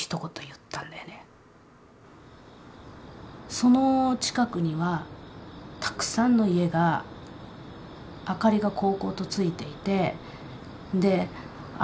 その近くにはたくさんの家が明かりがこうこうとついていてであ